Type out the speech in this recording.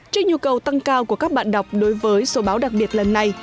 trên nhu cầu tăng cao của các bạn đọc đối với số báo đặc biệt lần này